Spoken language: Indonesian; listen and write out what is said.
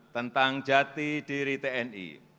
tentang jati diri tni